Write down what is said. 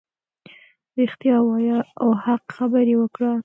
رښتیا ووایه او حق خبرې وکړه .